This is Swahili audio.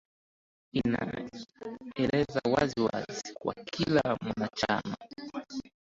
inaelezea wazi wazi kwa kila mwanachama